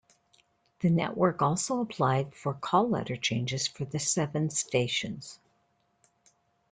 The network also applied for call letter changes for the seven stations.